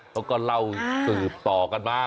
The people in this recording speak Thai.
เขาก็เล่าสืบต่อกันมา